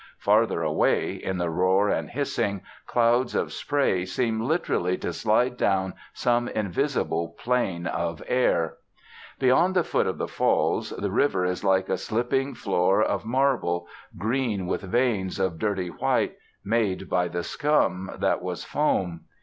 Farther away, in the roar and hissing, clouds of spray seem literally to slide down some invisible plane of air. Beyond the foot of the Falls the river is like a slipping floor of marble, green with veins of dirty white, made by the scum that was foam.